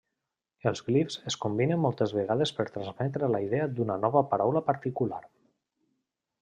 Els glifs es combinen moltes vegades per transmetre la idea d'una nova paraula particular.